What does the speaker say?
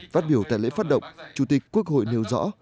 phát biểu tại lễ phát động chủ tịch quốc hội nêu rõ